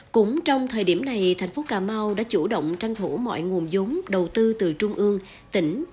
cũng trong thời điểm này thành phố cà mau đã chủ động trang thủ mọi nguồn giống đầu tư từ trung ương tỉnh